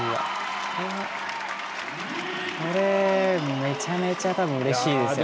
これ、めちゃめちゃ多分、うれしいですよね。